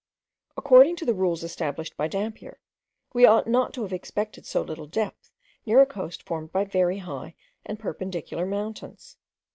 According to the rules established by Dampier, we ought not to have expected so little depth near a coast formed by very high and perpendicular mountains.